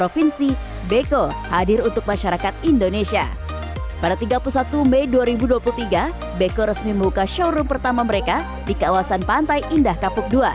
pada tiga puluh satu mei dua ribu dua puluh tiga beko resmi membuka showroom pertama mereka di kawasan pantai indah kapuk dua